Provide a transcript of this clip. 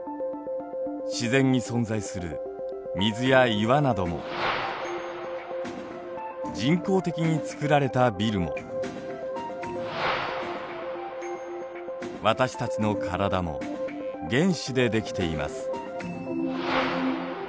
自然に存在する水や岩なども人工的に造られたビルも私たちの体も原子で出来ています。